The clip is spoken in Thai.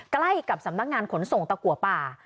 ใกล้กับสำนักงานขนส่งตะกัวป่า